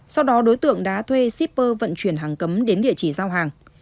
sau đó đối tượng đã thuê shipper vận chuyển hàng cấm đến địa chỉ giao hàng